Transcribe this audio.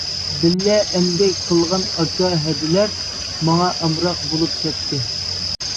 بىللە ئەمگەك قىلغان ئاكا-ھەدىلەر ماڭا ئامراق بولۇپ كەتتى.